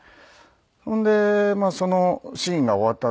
それでそのシーンが終わった